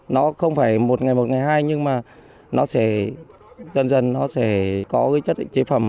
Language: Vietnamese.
nó không phải một ngày một ngày hai nhưng mà nó sẽ dần dần nó sẽ có cái chất chế phẩm